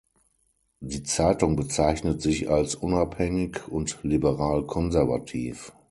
Die Zeitung bezeichnet sich als unabhängig und liberal-konservativ.